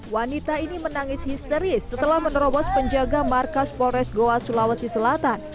wanita ini menangis histeris setelah menerobos penjaga markas polres goa sulawesi selatan